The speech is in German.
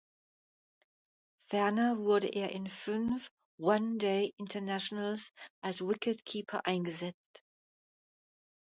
Ferner wurde er in fünf One-Day Internationals als Wicket-Keeper eingesetzt.